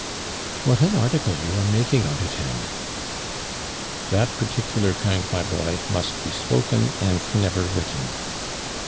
"What an article you are making out of him!" "That particular kind, my boy, must be spoken, and never written."